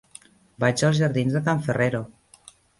Vaig als jardins de Can Ferrero.